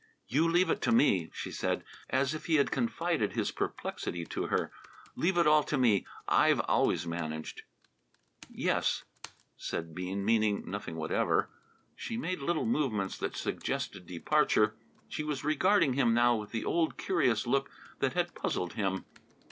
"You leave it to me," she said, as if he had confided his perplexity to her. "Leave it all to me. I've always managed." "Yes," said Bean, meaning nothing whatever. She made little movements that suggested departure. She was regarding him now with the old curious look that had puzzled him.